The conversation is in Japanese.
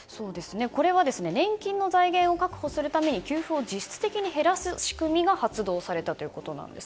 これは年金の財源を確保するために給付を実質的に減らす仕組みが発動されたということです。